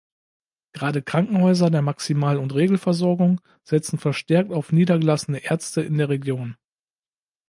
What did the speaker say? Gerade Krankenhäuser der Maximal- und Regelversorgung setzen verstärkt auf Niedergelassene Ärzte in der Region.